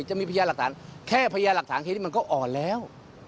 จะมีพยานหลักฐานแค่พยานหลักฐานแค่นี้มันก็อ่อนแล้ว